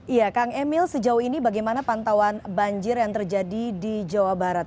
iya kang emil sejauh ini bagaimana pantauan banjir yang terjadi di jawa barat